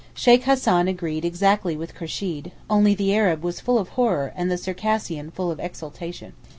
Sheykh Hassan agreed exactly with Kursheed, only the Arab was full of horror and the Circassian full of exultation.